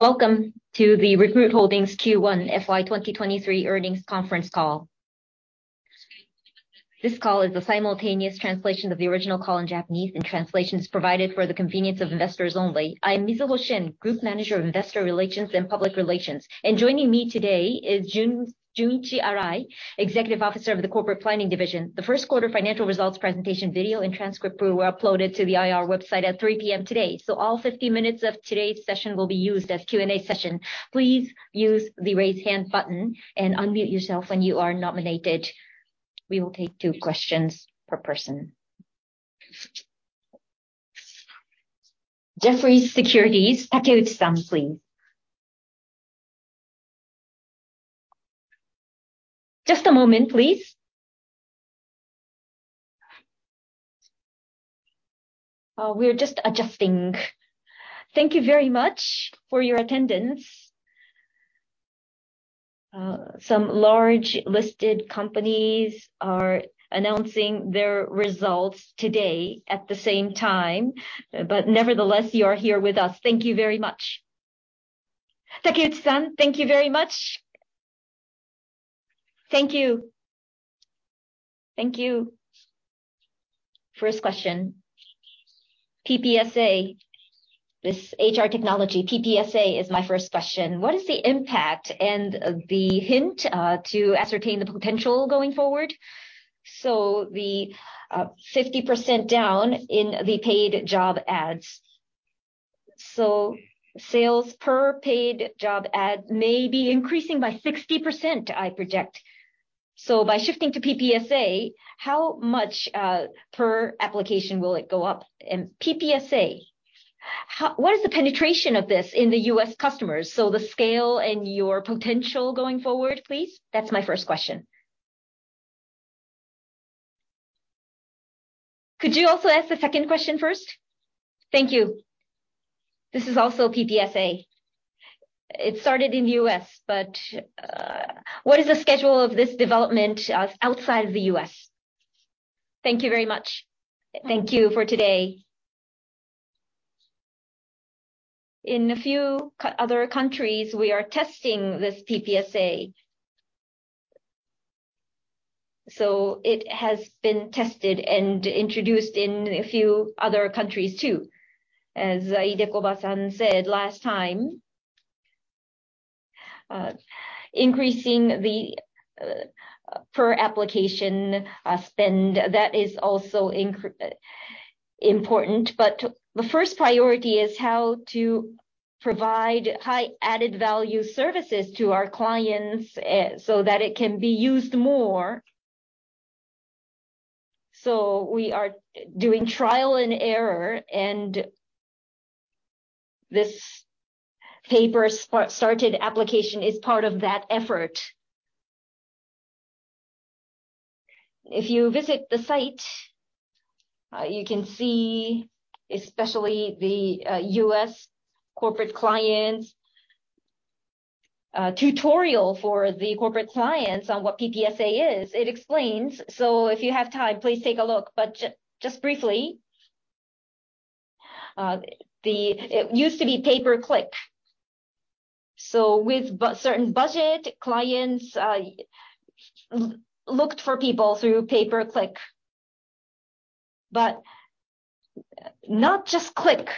Welcome to the Recruit Holdings Q1 FY 2023 earnings conference call. This call is a simultaneous translation of the original call in Japanese. Translation is provided for the convenience of investors only. I am Mizuho Shen, Group Manager of Investor Relations and Public Relations. Joining me today is Junichi Arai, Executive Officer of the Corporate Planning Division. The first quarter financial results presentation video and transcript will be uploaded to the IR website at 3:00 P.M. today. All 50 minutes of today's session will be used as Q&A session. Please use the Raise Hand button and unmute yourself when you are nominated. We will take two questions per person. Jefferies, Takeuchi, please. Just a moment, please. We are just adjusting. Thank you very much for your attendance. Some large listed companies are announcing their results today at the same time, but nevertheless, you are here with us. Thank you very much. Shen, thank you very much. Thank you. Thank you. First question: PPSA, this HR Technology, PPSA is my first question. What is the impact and the hint to ascertain the potential going forward? 50% down in the paid job ads. Sales per paid job ad may be increasing by 60%, I project. By shifting to PPSA, how much per application will it go up? PPSA, what is the penetration of this in the U.S. customers? The scale and your potential going forward, please. That's my first question. Could you also ask the second question first? Thank you. This is also PPSA. It started in the U.S., what is the schedule of this development outside of the U.S.? Thank you very much. Thank you for today. In a few other countries, we are testing this PPSA. It has been tested and introduced in a few other countries, too, as Idekoba said last time. Increasing the per application spend, that is also important. The first priority is how to provide high added value services to our clients so that it can be used more. We are doing trial and error, and this Pay Per Started Application is part of that effort. If you visit the site, you can see, especially the U.S. corporate clients, tutorial for the corporate clients on what PPSA is. It explains, if you have time, please take a look. Just briefly, it used to be pay per click. With certain budget, clients looked for people through pay per click, but not just click.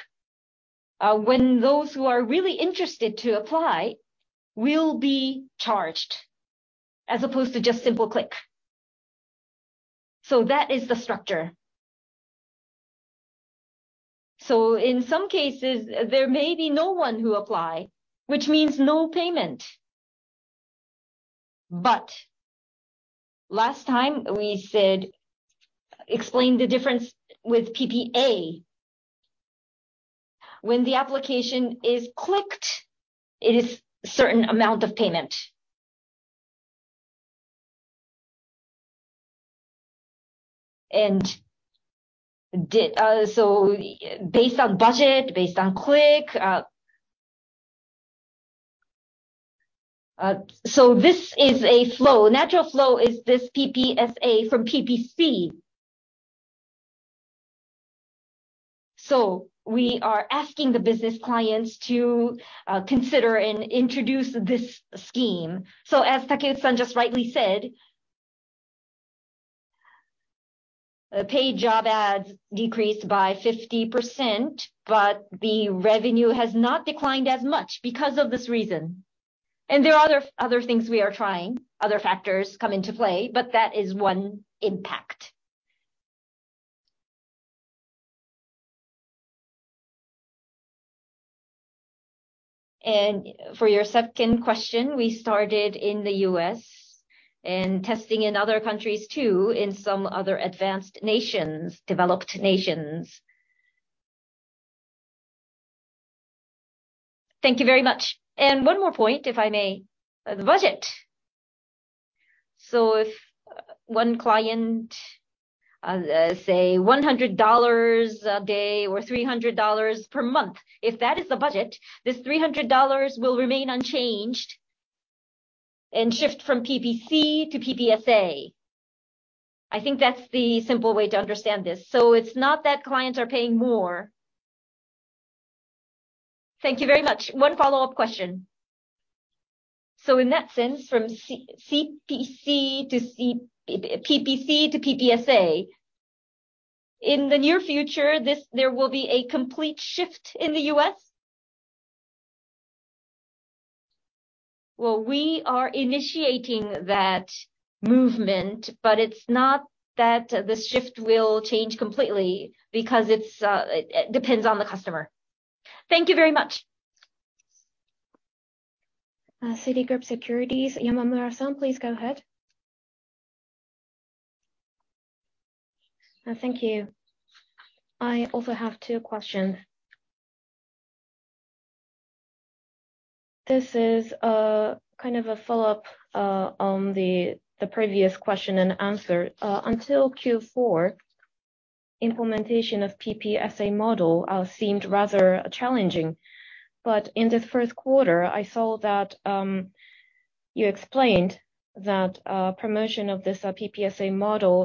When those who are really interested to apply will be charged, as opposed to just simple click. That is the structure. In some cases, there may be no one who apply, which means no payment. Last time we said, explained the difference with PPA. When the application is clicked, it is certain amount of payment. Based on budget, based on click. This is a flow, natural flow is this PPSA from PPC. We are asking the business clients to consider and introduce this scheme. As Takeuchi just rightly said, paid job ads decreased by 50%, but the revenue has not declined as much because of this reason. There are other, other things we are trying, other factors come into play, but that is one impact. For your second question, we started in the U.S. and testing in other countries, too, in some other advanced nations, developed nations. Thank you very much. One more point, if I may, the budget. If one client, say $100 a day or $300 per month, if that is the budget, this $300 will remain unchanged? and shift from PPC to PPSA. I think that's the simple way to understand this. It's not that clients are paying more. Thank you very much. One follow-up question. In that sense, from C-CPC to C, PPC to PPSA, in the near future, there will be a complete shift in the U.S.? Well, we are initiating that movement, but it's not that the shift will change completely, because it's, it, it depends on the customer. Thank you very much. Citigroup Securities, Yoneshima, please go ahead. Thank you. I also have two questions. This is kind of a follow-up on the previous question and answer. Until Q4, implementation of PPSA model seemed rather challenging. In this first quarter, I saw that you explained that promotion of this PPSA model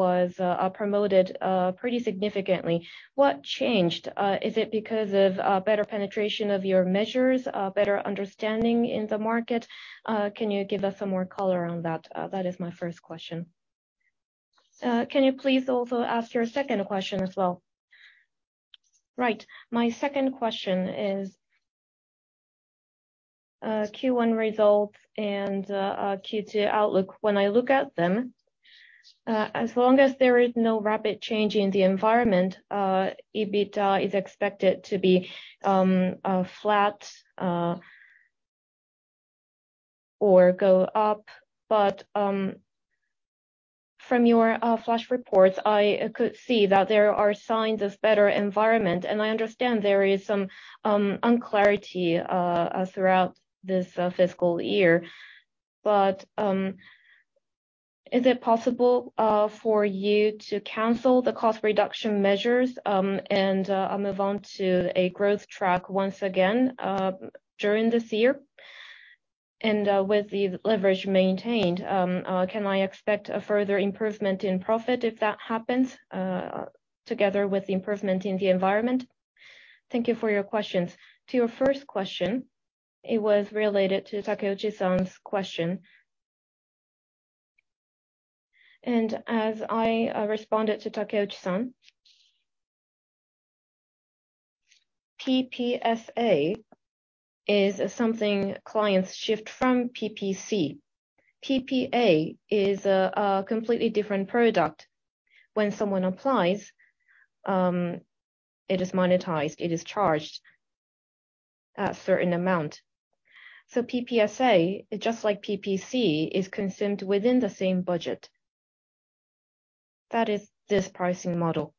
was promoted pretty significantly. What changed? Is it because of better penetration of your measures, better understanding in the market? Can you give us some more color on that? That is my first question. Can you please also ask your second question as well? Right. My second question is Q1 results and Q2 outlook. When I look at them, as long as there is no rapid change in the environment, EBITDA is expected to be flat or go up. From your flash reports, I could see that there are signs of better environment, and I understand there is some unclarity throughout this fiscal year. Is it possible for you to cancel the cost reduction measures and move on to a growth track once again during this year? With the leverage maintained, can I expect a further improvement in profit if that happens together with the improvement in the environment? Thank you for your questions. To your first question, it was related to Takeuchi question. As I responded to Takeuchi, PPSA is something clients shift from PPC. PPA is a completely different product. When someone applies, it is monetized, it is charged a certain amount. PPSA, just like PPC, is consumed within the same budget. That is this pricing model.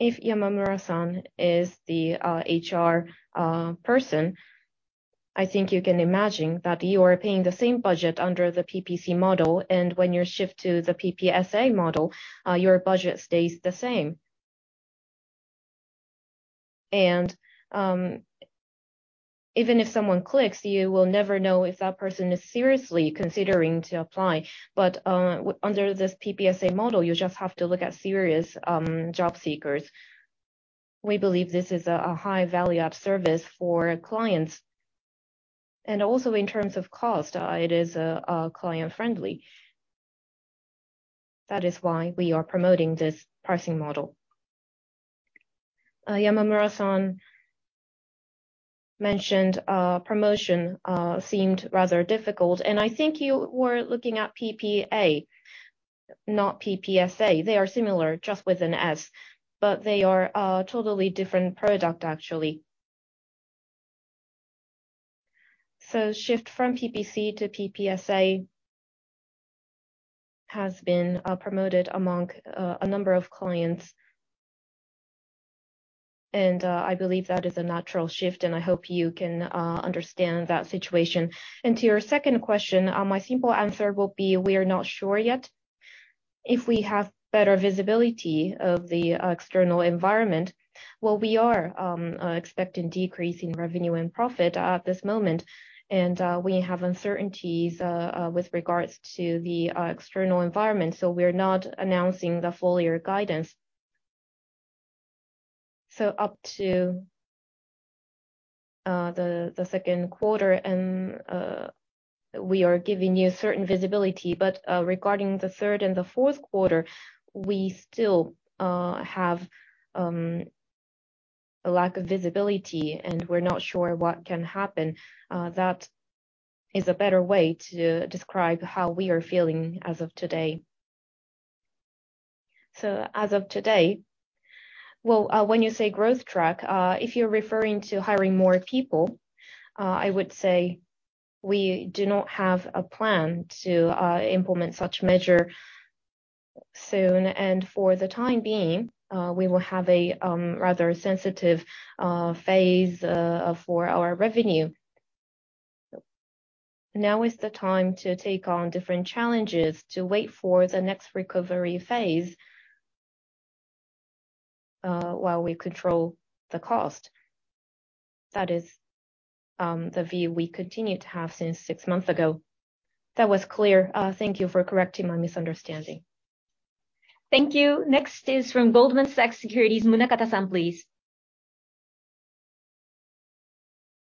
If Yamamura-san is the HR person, I think you can imagine that you are paying the same budget under the PPC model, when you shift to the PPSA model, your budget stays the same. Even if someone clicks, you will never know if that person is seriously considering to apply. Under this PPSA model, you just have to look at serious job seekers. We believe this is a high value-add service for clients, also in terms of cost, it is client friendly. That is why we are promoting this pricing model. Yoneshima mentioned promotion seemed rather difficult, and I think you were looking at PPA, not PPSA. They are similar, just with an S, but they are a totally different product, actually. Shift from PPC to PPSA has been promoted among a number of clients. I believe that is a natural shift, and I hope you can understand that situation. To your second question, my simple answer will be we are not sure yet. If we have better visibility of the external environment, well, we are expecting decreasing revenue and profit at this moment, we have uncertainties with regards to the external environment, so we're not announcing the full year guidance. Up to the second quarter, we are giving you certain visibility. Regarding the third and the fourth quarter, we still have a lack of visibility, and we're not sure what can happen. That is a better way to describe how we are feeling as of today. As of today. Well, when you say growth track, if you're referring to hiring more people, I would say we do not have a plan to implement such measure soon. For the time being, we will have a rather sensitive phase for our revenue. Now is the time to take on different challenges, to wait for the next recovery phase. ...while we control the cost. That is the view we continue to have since six months ago. That was clear. Thank you for correcting my misunderstanding. Thank you. Next is from Goldman Sachs Securities, Munakata, please.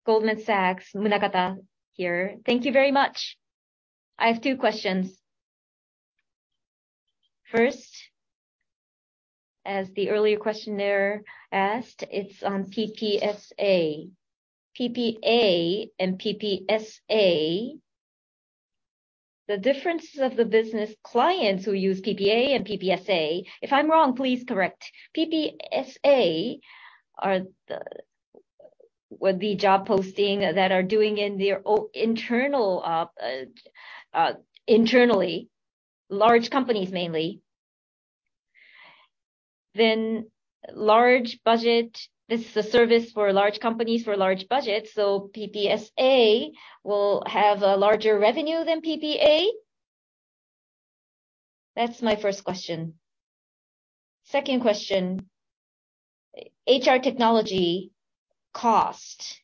Goldman Sachs, Munakata here. Thank you very much. I have two questions. First, as the earlier questioner asked, it's on PPSA. PPA and PPSA, the differences of the business clients who use PPA and PPSA. If I'm wrong, please correct. PPSA are the, were the job posting that are doing in their internal, internally, large companies mainly. Large budget, this is a service for large companies for large budgets, so PPSA will have a larger revenue than PPA? That's my first question. Second question: HR technology cost.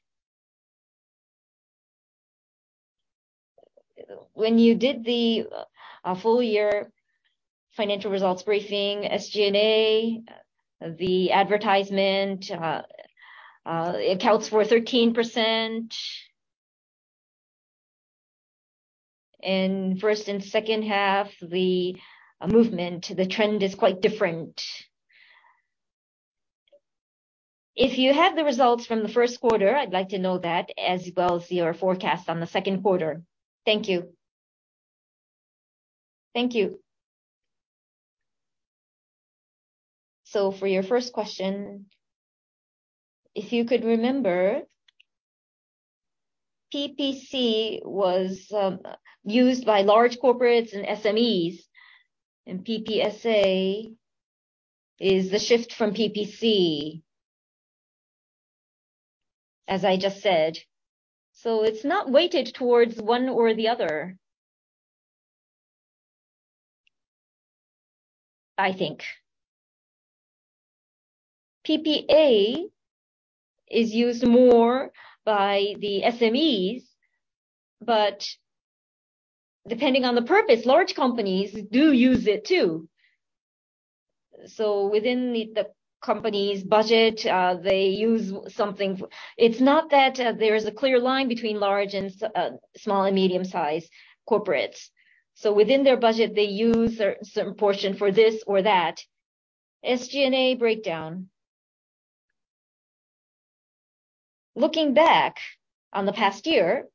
When you did the full year financial results briefing, SG&A, the advertisement accounts for 13%. In first and second half, the movement, the trend is quite different. If you have the results from the first quarter, I'd like to know that, as well as your forecast on the second quarter. Thank you. Thank you. For your first question, if you could remember, PPC was used by large corporates and SMEs, and PPSA is the shift from PPC, as I just said. It's not weighted towards one or the other, I think. PPA is used more by the SMEs, but depending on the purpose, large companies do use it too. Within the, the company's budget, they use something. It's not that there's a clear line between large and small and medium-sized corporates. Within their budget, they use certain portion for this or that. SG&A breakdown. Looking back on the past year,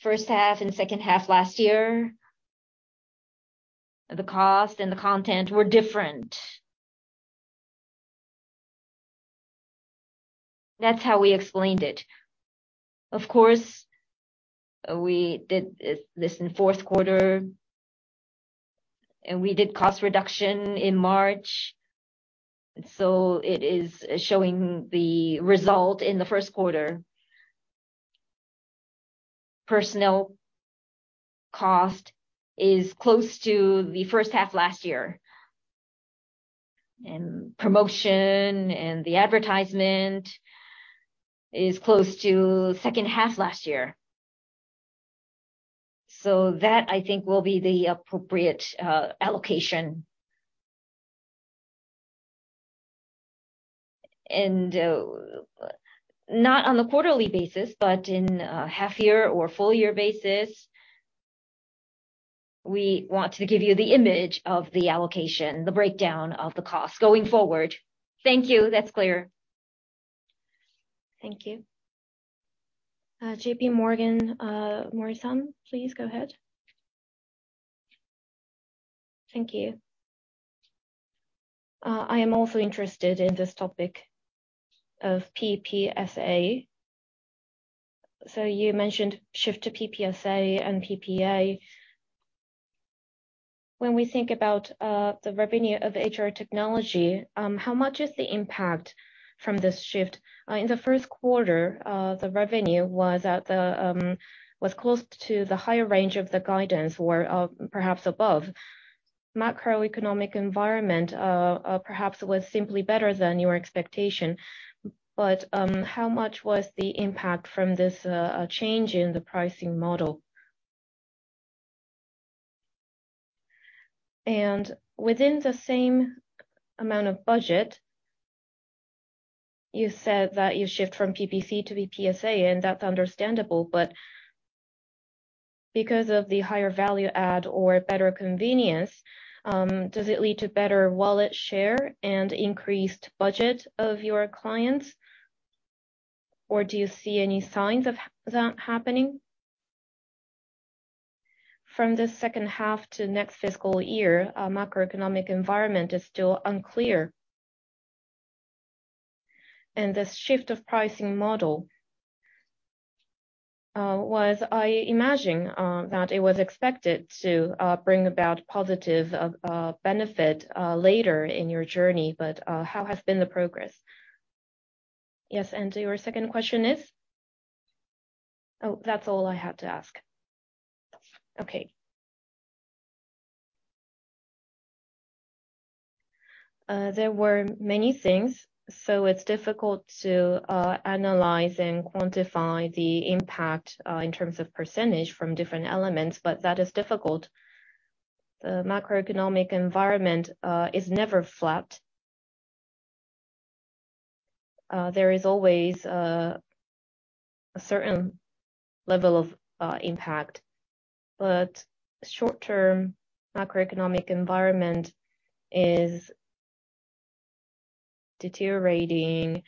first half and second half last year, the cost and the content were different. That's how we explained it. Of course, we did this in fourth quarter, and we did cost reduction in March, so it is showing the result in the first quarter. Personnel cost is close to the fist half last year, and promotion and the advertisement is close to second half last year. That, I think, will be the appropriate allocation. Not on a quarterly basis, but in a half year or full year basis, we want to give you the image of the allocation, the breakdown of the cost going forward. Thank you. That's clear. Thank you. JP Morgan, Morrison, please go ahead. Thank you. I am also interested in this topic of PPSA. You mentioned shift to PPSA and PPA. When we think about the revenue of HR technology, how much is the impact from this shift? In the first quarter, the revenue was at the... was close to the higher range of the guidance or perhaps above. Macroeconomic environment, perhaps was simply better than your expectation, but how much was the impact from this change in the pricing model? Within the same amount of budget, you said that you shift from PPC to PPSA, and that's understandable, but because of the higher value add or better convenience, does it lead to better wallet share and increased budget of your clients? Do you see any signs of that happening? From the second half to next fiscal year, macroeconomic environment is still unclear. This shift of pricing model was, I imagine, that it was expected to bring about positive benefit later in your journey, but how has been the progress? Yes, your second question is? Oh, that's all I have to ask. Okay.... There were many things, so it's difficult to analyze and quantify the impact in terms of percentage from different elements, but that is difficult. The macroeconomic environment is never flat. There is always a certain level of impact, but short-term macroeconomic environment is deteriorating,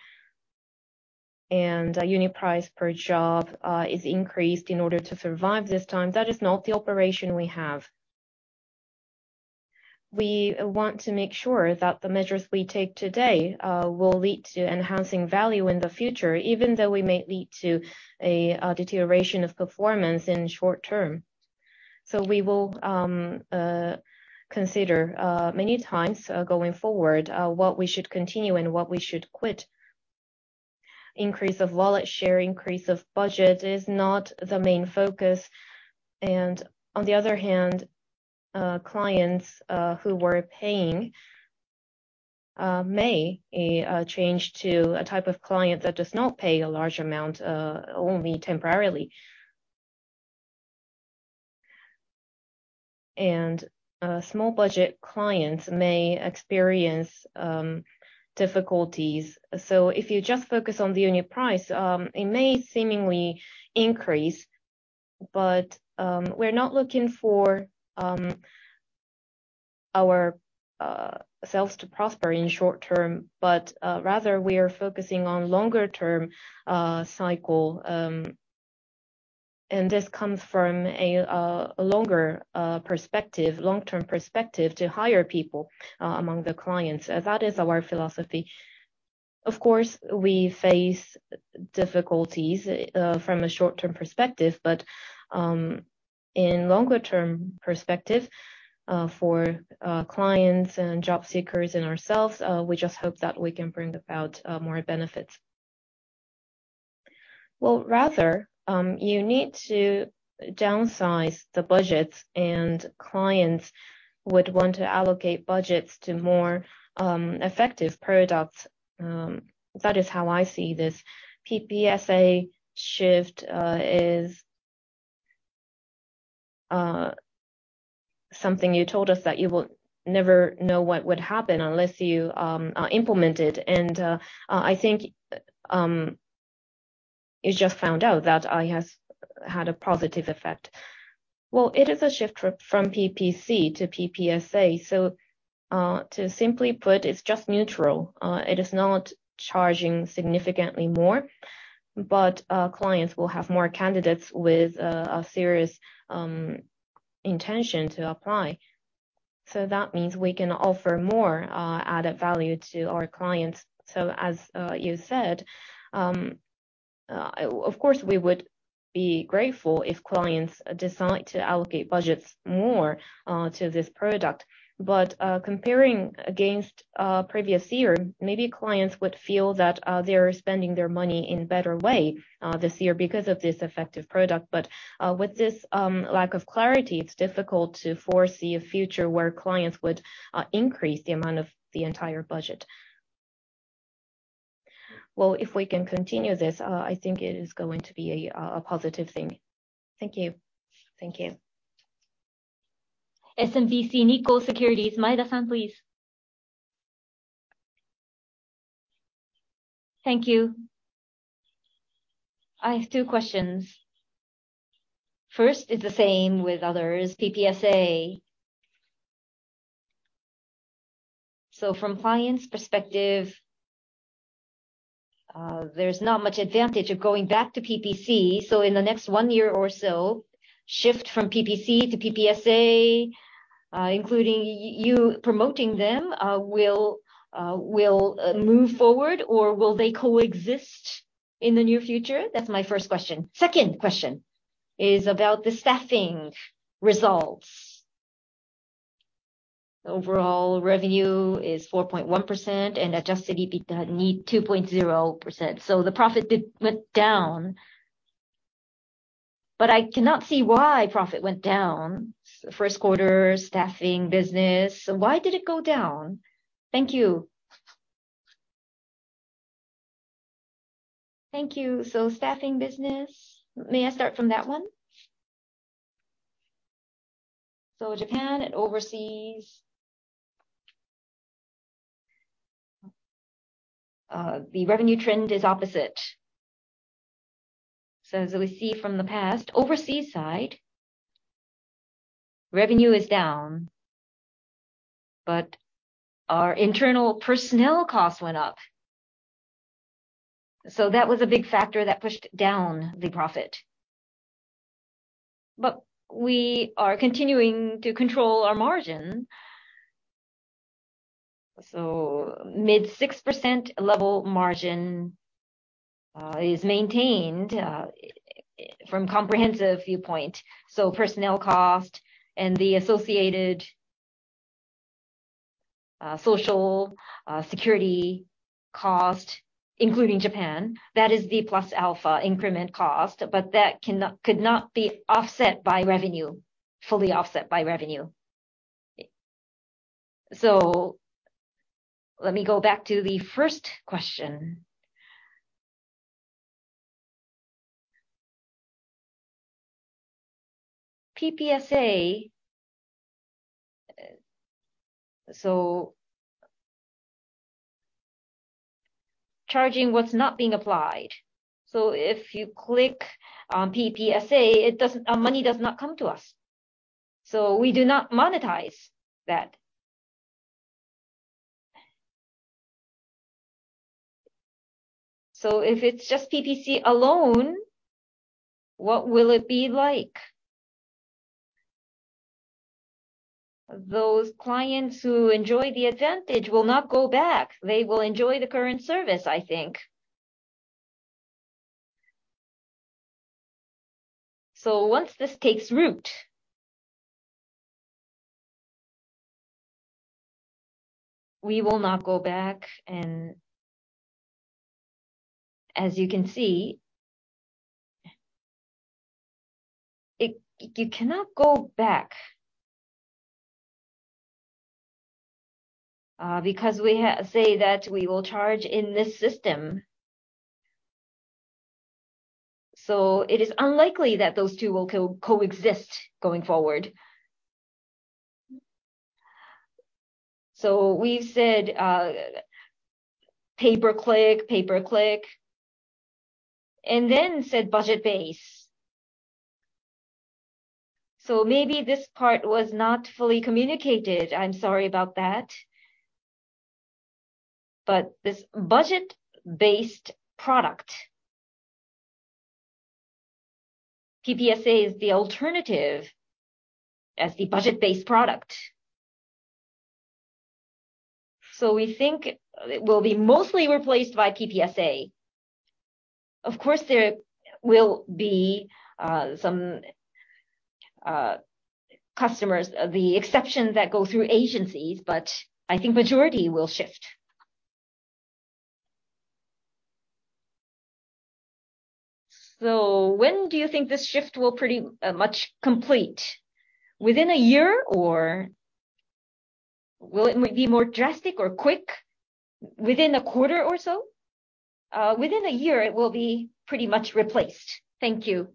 and unit price per job is increased in order to survive this time. That is not the operation we have. We want to make sure that the measures we take today will lead to enhancing value in the future, even though we may lead to a deterioration of performance in short term. We will consider many times going forward what we should continue and what we should quit. Increase of wallet share, increase of budget is not the main focus. On the other hand, clients who were paying may change to a type of client that does not pay a large amount only temporarily. Small budget clients may experience difficulties. If you just focus on the unit price, it may seemingly increase, but we're not looking for our sales to prosper in short term, but rather we are focusing on longer term cycle. This comes from a longer perspective, long-term perspective, to hire people among the clients. That is our philosophy. Of course, we face difficulties from a short-term perspective, but in longer term perspective, for clients and job seekers and ourselves, we just hope that we can bring about more benefits. Well, rather, you need to downsize the budgets, and clients would want to allocate budgets to more effective products. That is how I see this. PPSA shift is something you told us that you will never know what would happen unless you implement it. I think you just found out that it has had a positive effect. Well, it is a shift from PPC to PPSA, so to simply put, it's just neutral. It is not charging significantly more, but clients will have more candidates with a serious intention to apply. That means we can offer more added value to our clients. As you said, of course, we would be grateful if clients decide to allocate budgets more to this product. Comparing against previous year, maybe clients would feel that they are spending their money in better way this year because of this effective product. With this lack of clarity, it's difficult to foresee a future where clients would increase the amount of the entire budget. Well, if we can continue this, I think it is going to be a positive thing. Thank you. Thank you. SMBC Nikko Securities, Maeda, please. Thank you. I have two questions. First is the same with others, PPSA. From clients' perspective, there's not much advantage of going back to PPC. In the next one year or so, shift from PPC to PPSA, including you promoting them, will will move forward or will they coexist in the near future? That's my first question. Second question is about the staffing results. Overall revenue is 4.1% and adjusted EBITDA, 2.0%. The profit did went down, but I cannot see why profit went down. First quarter staffing business, why did it go down? Thank you. Thank you. Staffing business, may I start from that one? Japan and overseas, the revenue trend is opposite. As we see from the past, overseas side, revenue is down, but our internal personnel costs went up. That was a big factor that pushed down the profit. We are continuing to control our margin. Mid-6% level margin is maintained from comprehensive viewpoint. Personnel cost and the associated- social security cost, including Japan, that is the plus alpha increment cost, but that cannot, could not be offset by revenue, fully offset by revenue. Let me go back to the first question. PPSA, so charging was not being applied. If you click on PPSA, it doesn't-- money does not come to us, so we do not monetize that. If it's just PPC alone, what will it be like? Those clients who enjoy the advantage will not go back. They will enjoy the current service, I think. Once this takes root, we will not go back. As you can see, it, you cannot go back, because we ha- say that we will charge in this system. It is unlikely that those two will co- coexist going forward. We said pay per click, pay per click, and then said budget base. Maybe this part was not fully communicated. I'm sorry about that. This budget-based product, PPSA, is the alternative as the budget-based product. We think it will be mostly replaced by PPSA. Of course, there will be some customers, the exception that go through agencies, but I think majority will shift. When do you think this shift will pretty much complete? Within a year, or will it be more drastic or quick, within a quarter or so? Within a year, it will be pretty much replaced. Thank you.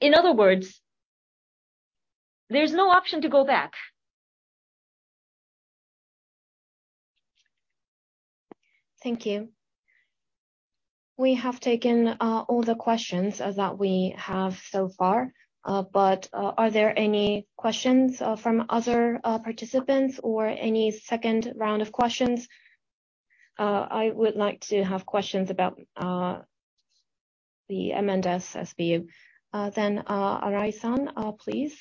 In other words, there's no option to go back. Thank you. We have taken all the questions that we have so far. Are there any questions from other participants or any second round of questions? I would like to have questions about the M&S SBU. Arai, please.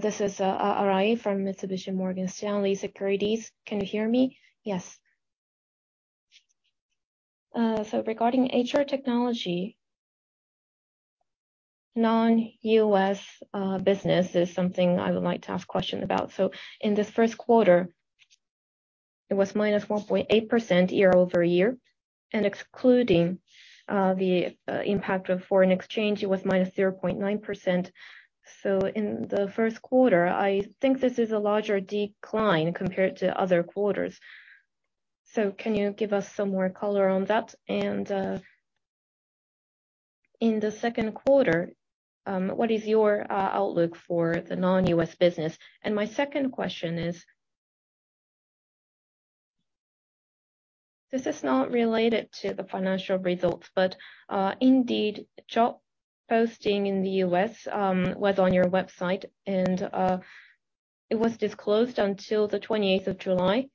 This is Arai from Mitsubishi UFJ Morgan Stanley Securities. Can you hear me? Yes. Regarding HR technology, non-U.S. business is something I would like to ask question about. In this first quarter, it was -1.8% year-over-year, and excluding the impact of foreign exchange, it was -0.9%. In the first quarter, I think this is a larger decline compared to other quarters. Can you give us some more color on that? In the second quarter, what is your outlook for the non-U.S. business? My second question is... This is not related to the financial results, but Indeed job posting in the U.S. was on your website, and it was disclosed until the 28th of July.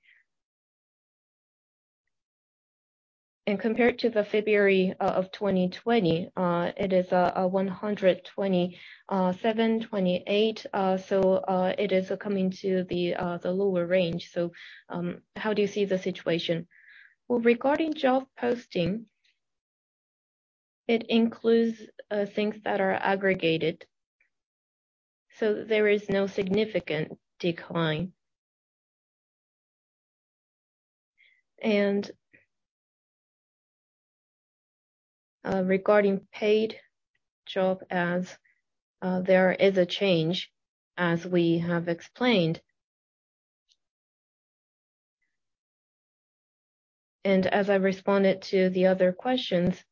Compared to the February of 2020, it is a 120, seven, 28. So it is coming to the lower range. How do you see the situation? Well, regarding job posting, it includes things that are aggregated, so there is no significant decline. Regarding paid job ads, there is a change, as we have explained. As I responded to the other questions,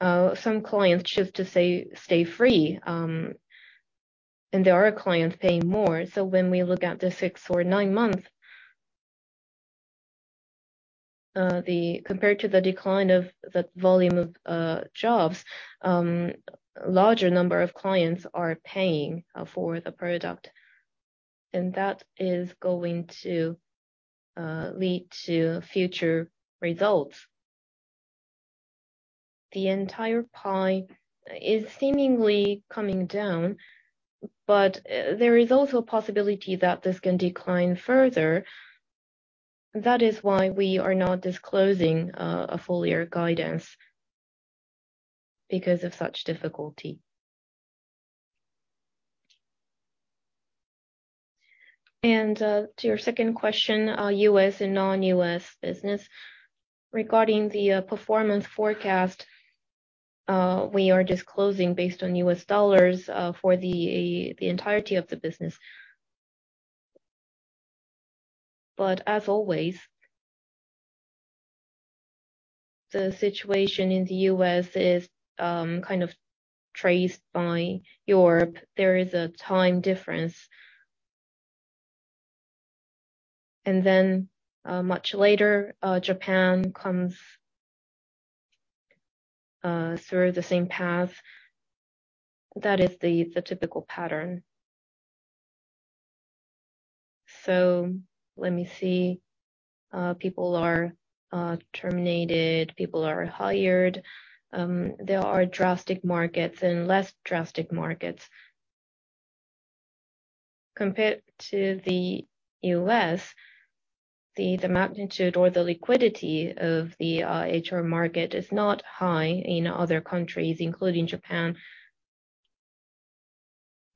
some clients choose to say, stay free, and there are clients paying more. When we look at the six or nine month, compared to the decline of the volume of jobs, larger number of clients are paying for the product, and that is going to lead to future results. The entire pie is seemingly coming down, but there is also a possibility that this can decline further. That is why we are not disclosing a full year guidance because of such difficulty. To your second question, U.S. and non-U.S. business. Regarding the performance forecast, we are disclosing based on U.S. dollars for the entirety of the business. As always, the situation in the U.S. is kind of traced by Europe. There is a time difference. Then much later, Japan comes through the same path. That is the typical pattern. Let me see. People are terminated, people are hired. There are drastic markets and less drastic markets. Compared to the U.S., the magnitude or the liquidity of the HR market is not high in other countries, including Japan.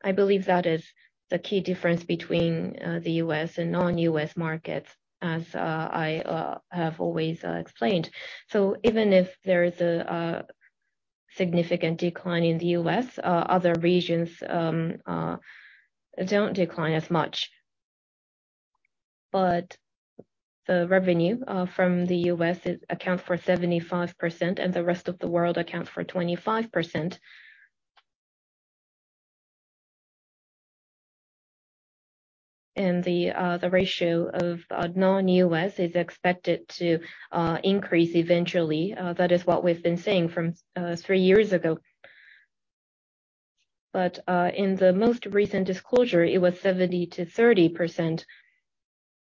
I believe that is the key difference between the U.S. and non-U.S. markets, as I have always explained. Even if there is a significant decline in the U.S., other regions don't decline as much. The revenue from the U.S. accounts for 75%, and the rest of the world accounts for 25%. The ratio of non-U.S. is expected to increase eventually. That is what we've been saying from three years ago. In the most recent disclosure, it was 70%-30%.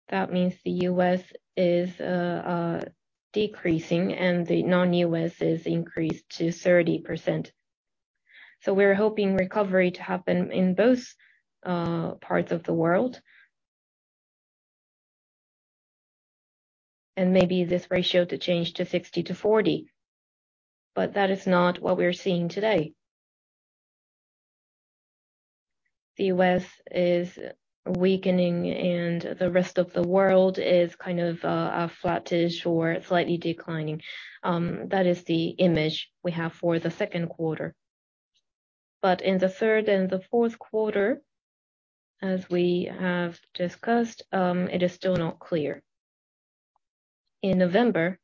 That means the U.S. is decreasing and the non-U.S. is increased to 30%. We're hoping recovery to happen in both parts of the world. Maybe this ratio to change to 60/40, but that is not what we're seeing today. The U.S. is weakening, and the rest of the world is kind of, a flattish or slightly declining. That is the image we have for the second quarter. In the third and the fourth quarter, as we have discussed, it is still not clear. In November,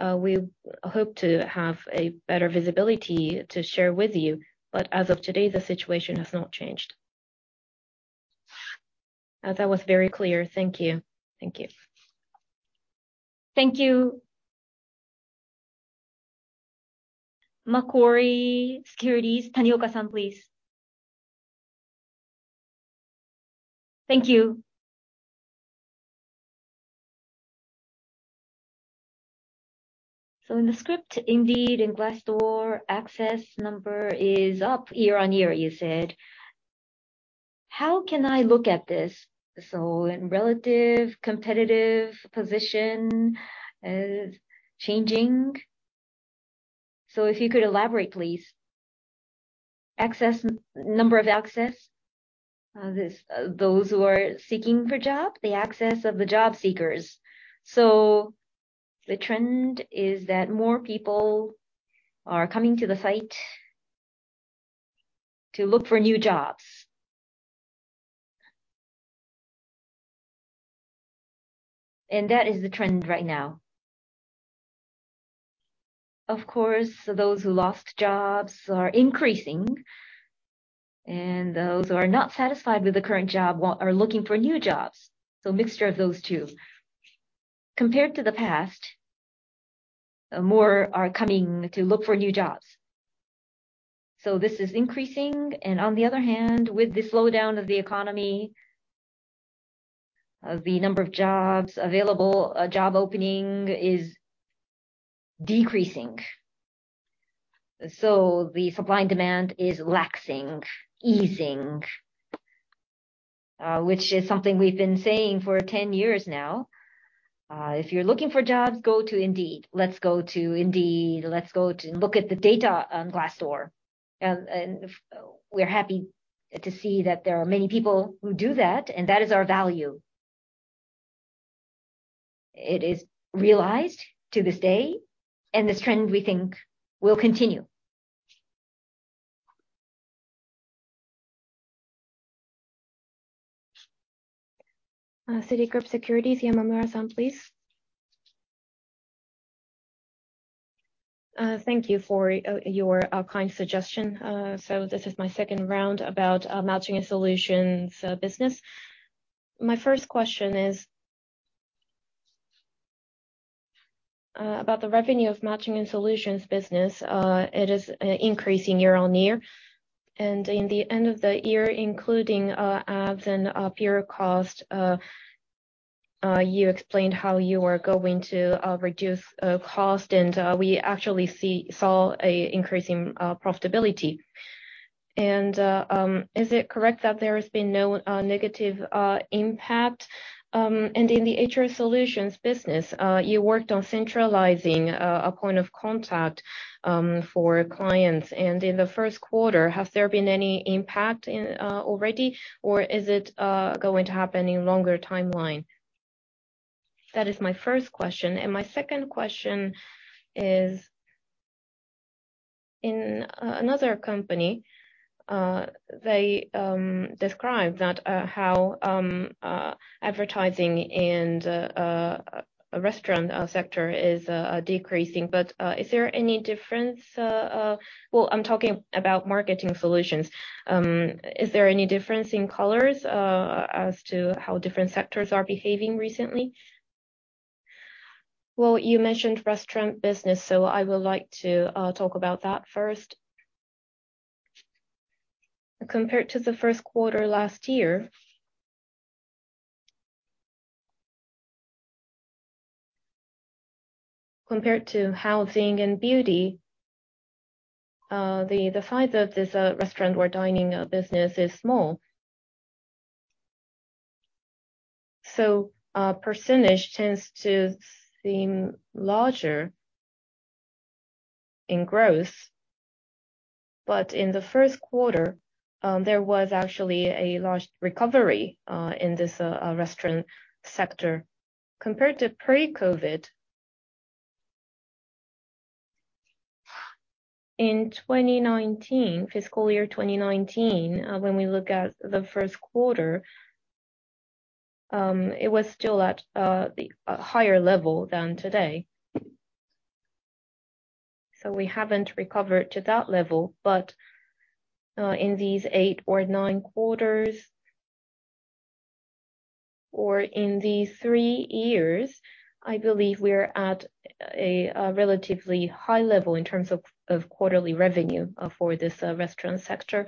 we hope to have a better visibility to share with you, but as of today, the situation has not changed. That was very clear. Thank you. Thank you. Thank you. Macquarie Securities, Tanioka, please. Thank you. In the script, Indeed and Glassdoor access number is up year-on-year, you said. How can I look at this? In relative competitive position is changing. If you could elaborate, please. Access, number of access? This, those who are seeking for job, the access of the job seekers. The trend is that more people are coming to the site to look for new jobs. That is the trend right now. Of course, those who lost jobs are increasing, and those who are not satisfied with the current job are looking for new jobs. Mixture of those two. Compared to the past, more are coming to look for new jobs. This is increasing, and on the other hand, with the slowdown of the economy, the number of jobs available, job opening is decreasing. The supply and demand is laxing, easing, which is something we've been saying for 10 years now. If you're looking for jobs, go to Indeed. Let's go to Indeed. Let's go to look at the data on Glassdoor. And we're happy to see that there are many people who do that, and that is our value. It is realized to this day, and this trend, we think, will continue. Citigroup Securities, Yoneshima, please. Thank you for your kind suggestion. This is my second round about Matching & Solutions business. My first question is about the revenue of Matching & Solutions business. It is increasing year-over-year, and in the end of the year, including ads and pure cost, you explained how you were going to reduce cost, and we actually see- saw a increase in profitability. Is it correct that there has been no negative impact? In the HR solutions business, you worked on centralizing a point of contact for clients. In the first quarter, has there been any impact already, or is it going to happen in longer timeline? That is my first question. is, in another company, they described how advertising and a restaurant sector is decreasing. But is there any difference? Well, I'm talking about marketing solutions. Is there any difference in colors as to how different sectors are behaving recently? Well, you mentioned restaurant business, so I would like to talk about that first. Compared to the first quarter last year, compared to housing and beauty, the size of this restaurant or dining business is small. So percentage tends to seem larger in growth. But in the first quarter, there was actually a large recovery in this restaurant sector. Compared to pre-COVID, in 2019, fiscal year 2019, when we look at the first quarter, it was still at a higher level than today. We haven't recovered to that level, but in these eight or nine quarters, or in these three years, I believe we are at a relatively high level in terms of quarterly revenue for this restaurant sector.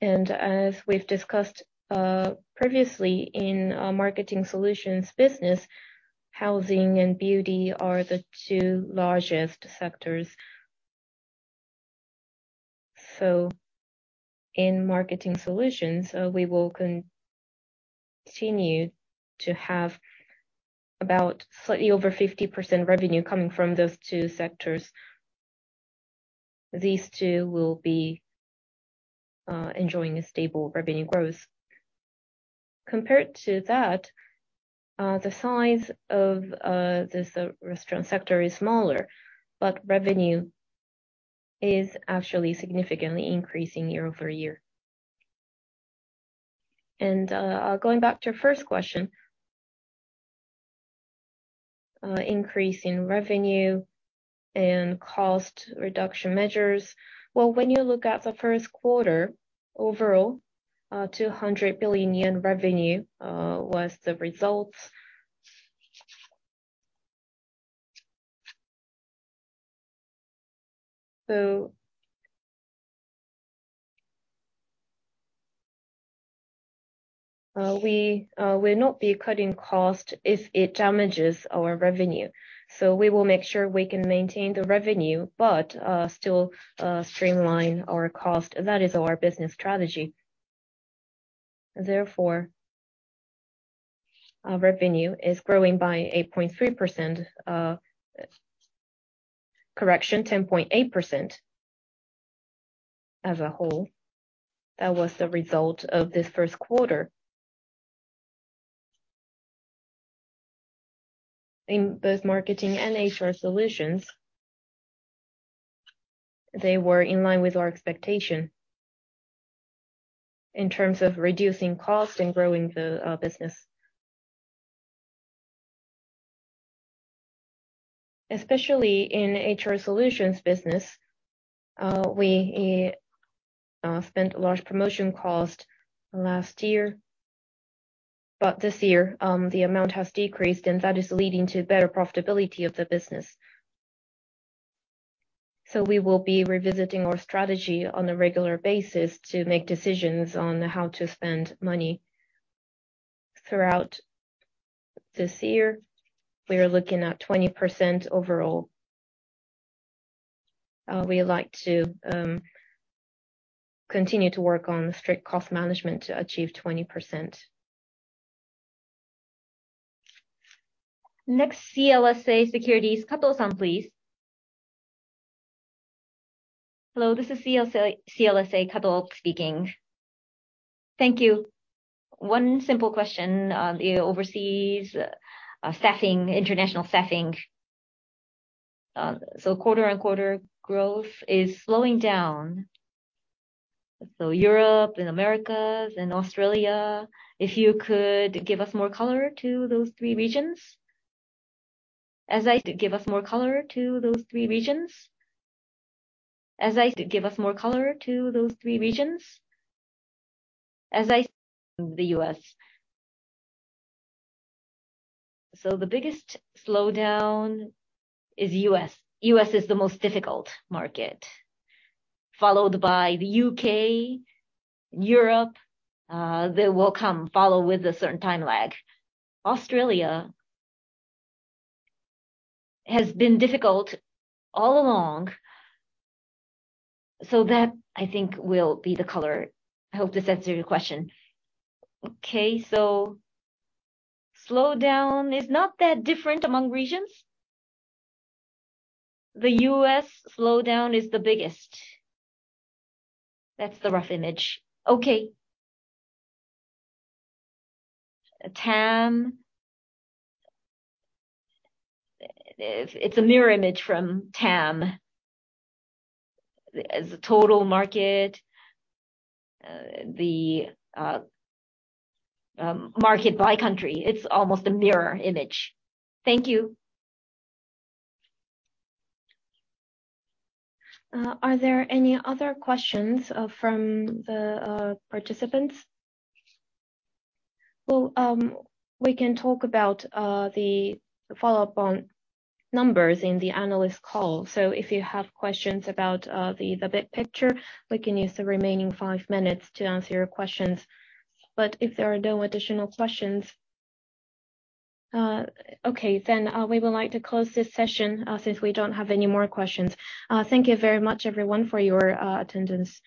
As we've discussed previously in our marketing solutions business, housing and beauty are the two largest sectors. In marketing solutions, we will continue to have about slightly over 50% revenue coming from those two sectors. These two will be enjoying a stable revenue growth. Compared to that, the size of this restaurant sector is smaller, but revenue is actually significantly increasing year-over-year. Going back to your first question, increase in revenue and cost reduction measures. Well, when you look at the first quarter, overall, 200 billion yen revenue was the result. We will not be cutting cost if it damages our revenue. We will make sure we can maintain the revenue, but still streamline our cost. That is our business strategy. Therefore, our revenue is growing by 8.3%, correction, 10.8% as a whole. That was the result of this first quarter. In both marketing solutions and HR solutions, they were in line with our expectation in terms of reducing cost and growing the business. Especially in HR solutions business, we spent a large promotion cost last year. This year, the amount has decreased, and that is leading to better profitability of the business. We will be revisiting our strategy on a regular basis to make decisions on how to spend money. Throughout this year, we are looking at 20% overall. We like to continue to work on strict cost management to achieve 20%. Next, CLSA Securities, Kato, please. Hello, this is CLSA, CLSA, Kato speaking. Thank you. One simple question, on the overseas staffing, international staffing. Quarter-on-quarter growth is slowing down. Europe and Americas and Australia, if you could give us more color to those three regions? Give us more color to those three regions? As I, the U.S. The biggest slowdown is U.S. U.S. is the most difficult market, followed by the U.K., Europe, they will come follow with a certain time lag. Australia has been difficult all along, so that, I think, will be the color. I hope this answers your question. Slowdown is not that different among regions? The U.S. slowdown is the biggest. That's the rough image. TAM, it's a mirror image from TAM. As the total market, the market by country, it's almost a mirror image. Thank you. Are there any other questions from the participants? Well, we can talk about the follow-up on numbers in the analyst call. If you have questions about the big picture, we can use the remaining five minutes to answer your questions. If there are no additional questions. Okay, we would like to close this session since we don't have any more questions. Thank you very much, everyone, for your attendance.